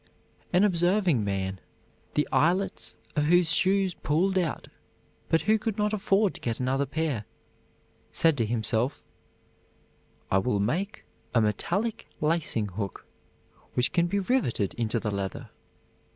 An observing man, the eyelets of whose shoes pulled out, but who could not afford to get another pair, said to himself, "I will make a metallic lacing hook, which can be riveted into the leather."